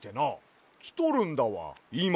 きとるんだわいま。